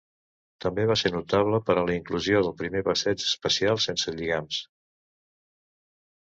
També va ser notable per a la inclusió del primer passeig espacial sense lligams.